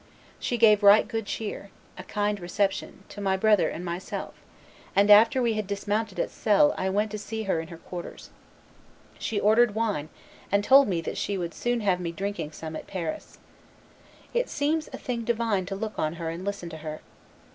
She gave right good cheer (a kind reception) to my brother and myself; and after we had dismounted at Selles I went to see her in her quarters. She ordered wine, and told me that she would soon have me drinking some at Paris. It seems a thing divine to look on her and listen to her.